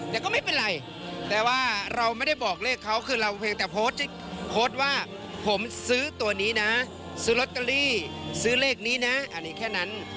แต่ก็ไม่เป็นไรแต่ว่าเราไม่ได้บอกเลขเขาคือเราเพียงแต่โพสต์โพสต์ว่าผมซื้อตัวนี้นะซื้อลอตเตอรี่ซื้อเลขนี้นะอันนี้แค่นั้น